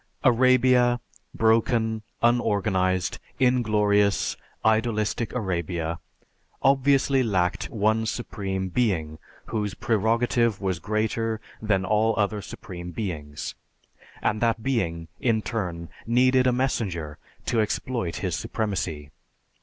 Arabia, broken, unorganized, inglorious, idolistic Arabia, obviously lacked one Supreme Being whose prerogative was greater than all other Supreme Beings, and that Being, in turn, needed a messenger to exploit His supremacy.